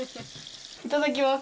いただきます。